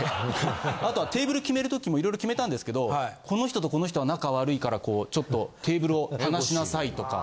あとはテーブル決めるときも色々決めたんですけどこの人とこの人は仲悪いからこうちょっとテーブルを離しなさいとか。